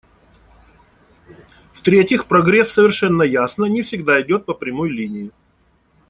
В-третьих, прогресс, совершенно ясно, не всегда идет по прямой линии.